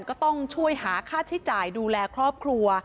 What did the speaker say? ก็ต้องช่วยหาค่าใช้จ่ายดูแลครอบครัว